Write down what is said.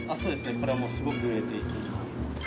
これはもうすごく売れていて今。